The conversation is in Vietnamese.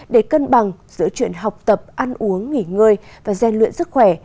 để cân bằng giữa chuyện học tập ăn uống nghỉ ngơi và gian luyện sức khỏe